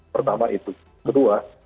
pertama itu kedua